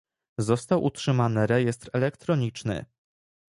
Został utrzymany rejestr elektroniczny